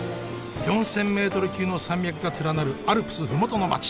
４，０００ｍ級の山脈が連なるアルプス麓の街。